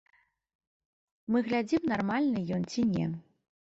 Мы глядзім, нармальны ён ці не.